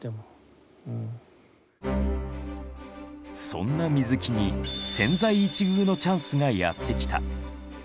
そんな水木に千載一遇のチャンスがやって来た。